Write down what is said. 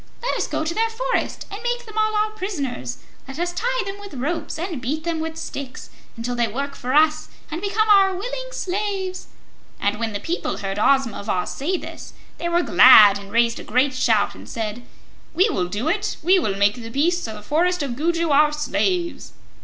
Let us go to their forest and make them all our prisoners. Let us tie them with ropes, and beat them with sticks, until they work for us and become our willing slaves.' And when the people heard Ozma of Oz say this, they were glad and raised a great shout and said: 'We will do it! We will make the beasts of the Forest of Gugu our slaves!'"